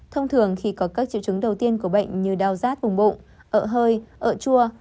thông thường khi có các triệu chứng đầu tiên của bệnh như đau rát vùng bụng ở hơi ợ chua